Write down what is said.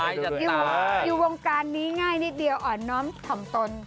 อยู่วงการนี้ง่ายนิดเดียวอ่อนน้อมถ่อมตน